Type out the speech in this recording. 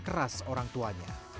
keras orang tuanya